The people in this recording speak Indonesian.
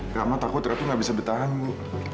hamba takut ratu gak bisa bertahan bu